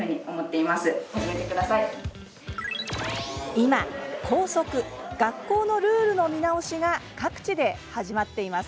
今、校則、学校のルールの見直しが各地で始まっています。